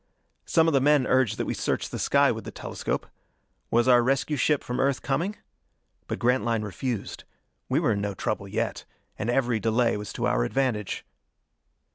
Some of the men urged that we search the sky with the telescope. Was our rescue ship from Earth coming? But Grantline refused. We were in no trouble yet. And every delay was to our advantage.